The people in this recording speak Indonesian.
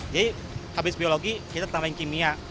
jadi habis biologi kita tambahin kimia